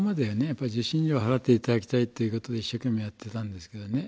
やっぱり受信料払っていただきたいっていうことで一生懸命やってたんですけどね